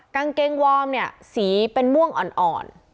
กางเกงวอร์มเนี่ยสีเป็นม่วงอ่อน